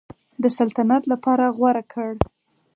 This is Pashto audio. د سلطنت لپاره غوره کړ.